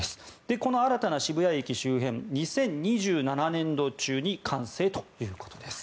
この新たな渋谷駅周辺２０２７年度中に完成ということです。